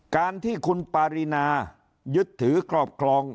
การที่คุณปารีนายึดถือครอบครอง